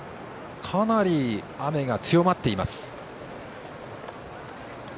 かなり雨が強まっています。